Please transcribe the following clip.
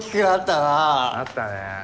なったね。